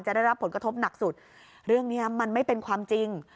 ได้รับผลกระทบหนักสุดเรื่องนี้มันไม่เป็นความจริง